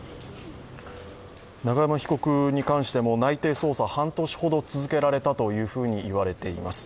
永山被告に関しても内偵捜査、半年ほど続けられたといわれています。